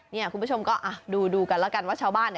นี่คุณผู้ชมก็ดูกันแล้วกันว่าชาวบ้าน